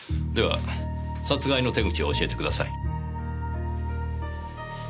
では殺害の手口を教えてください。